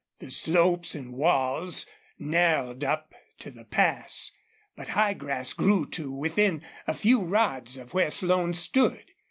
The slopes and walls narrowed up to the pass, but high grass grew to within a few rods of where Slone stood.